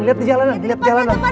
lihat jalanan pelan pelan